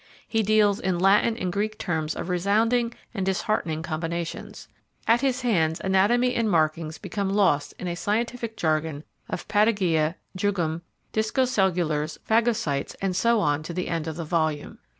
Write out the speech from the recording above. He deals in Latin and Greek terms of resounding and disheartening combinations. At his hands anatomy and markings become lost in a scientific jargon of patagia, jugum, discocellulars, phagocytes, and so on to the end of the volume.